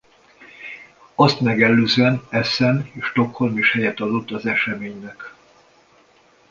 Azt megelőzően Essen és Stockholm is helyet adott az eseménynek.